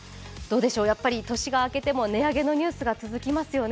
やっぱり年が明けても値上げのニュースが続きますよね。